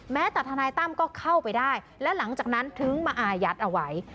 แต่ทนายตั้มก็เข้าไปได้และหลังจากนั้นถึงมาอายัดเอาไว้